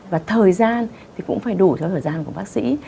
và thời gian thì cũng phải đủ cho thời gian của bác sĩ